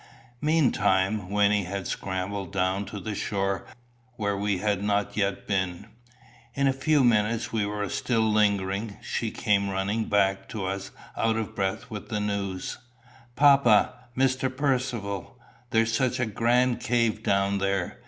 Meantime, Wynnie had scrambled down to the shore, where we had not yet been. In a few minutes, we still lingering, she came running back to us out of breath with the news: "Papa! Mr. Percivale! there's such a grand cave down there!